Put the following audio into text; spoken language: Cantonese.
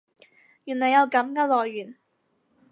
原來有噉嘅來源